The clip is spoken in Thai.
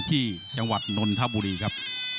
ที่จังหวัดนนทบุรีครับ